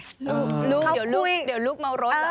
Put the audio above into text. ลูกเดี๋ยวลูกเมารถ